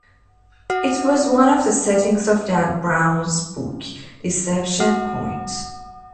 It was one of the settings of Dan Brown's book "Deception Point".